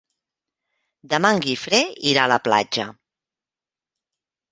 Demà en Guifré irà a la platja.